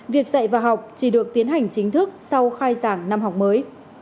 việc dạy và học chỉ được tiến hành chính thức sau khai giảng năm học mới